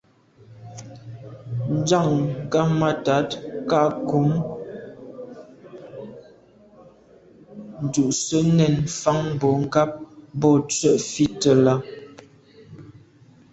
Njag ghammatat kà nkum ndùs’a nèn mfan bon ngab bo tswe fite là.